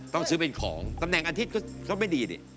ต้องซื้อเป็นของตำแหน่งอาทิตย์ก็ไม่ดีดิ